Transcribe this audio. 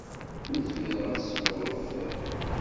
Ur zmireɣ ad sweɣ akeffay.